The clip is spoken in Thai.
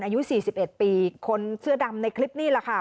อายุ๔๑ปีคนเสื้อดำในคลิปนี่แหละค่ะ